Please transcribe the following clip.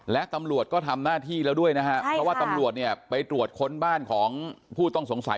และตำรวจก็ทำหน้าที่แล้วด้วยนะฮะเพราะว่าตำรวจเนี่ยไปตรวจค้นบ้านของผู้ต้องสงสัย